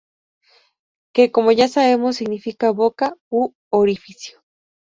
Que como ya sabemos significa boca u orificio.